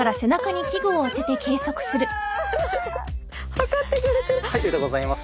測ってくれてる。